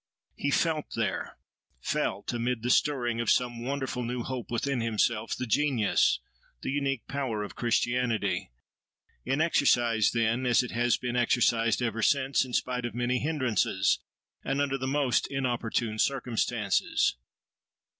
He felt there, felt amid the stirring of some wonderful new hope within himself, the genius, the unique power of Christianity; in exercise then, as it has been exercised ever since, in spite of many hindrances, and under the most inopportune circumstances.